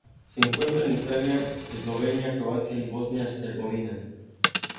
Se encuentra en Italia, Eslovenia, Croacia y Bosnia y Herzegovina.